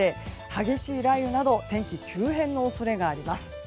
激しい雷雨など天気が急変の恐れがあります。